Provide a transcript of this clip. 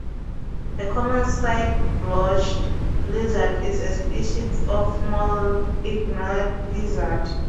The common side-blotched lizard is a species of small iguanid lizard.